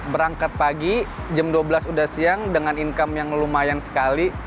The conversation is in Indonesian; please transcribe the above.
berangkat pagi jam dua belas udah siang dengan income yang lumayan sekali